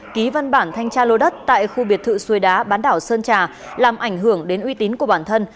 ký văn bản thanh tra lô đất tại khu biệt thự suối đá bán đảo sơn trà làm ảnh hưởng đến uy tín của bản thân